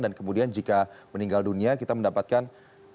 dan kemudian jika meninggal dunia kita mendapatkan